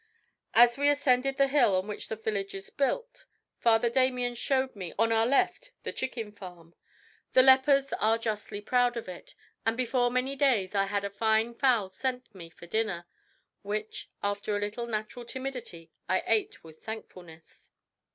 As we ascended the hill on which the village is built Father Damien showed me on our left the chicken farm. The lepers are justly proud of it, and before many days I had a fine fowl sent me for dinner, which, after a little natural timidity, I ate with thankfulness.